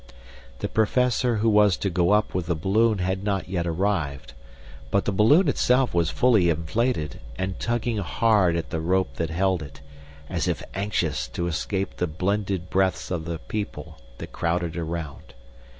The Professor who was to go up with the balloon had not yet arrived; but the balloon itself was fully inflated and tugging hard at the rope that held it, as if anxious to escape the blended breaths of the people that crowded around.